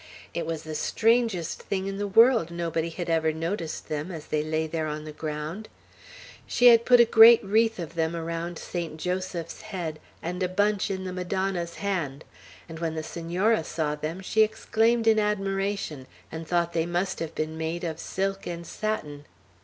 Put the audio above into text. It was the strangest thing in the world nobody had ever noticed them as they lay there on the ground. She had put a great wreath of them around Saint Joseph's head, and a bunch in the Madonna's hand; and when the Senora saw them, she exclaimed in admiration, and thought they must have been made of silk and satin.